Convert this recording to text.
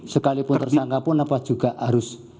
sekalipun tersangka pun apa juga harus